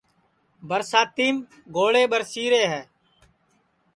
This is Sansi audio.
برساتِیم گوڑھے ٻرسی رے ہے